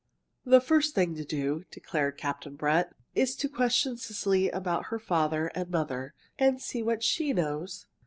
"The first thing to do," declared Captain Brett, "is to question Cecily about her father and mother, and see what she knows.